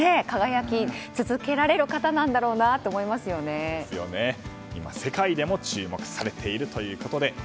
輝き続けられる方なんだろうな今、世界でも注目されているということで。